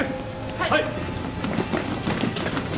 はい！